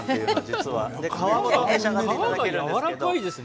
皮がやわらかいですね。